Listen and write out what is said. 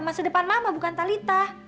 masa depan mama bukan talitha